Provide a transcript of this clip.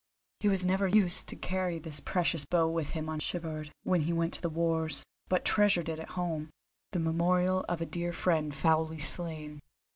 He was never used to carry this precious bow with him on shipboard, when he went to the wars, but treasured it at home, the memorial of a dear friend foully slain.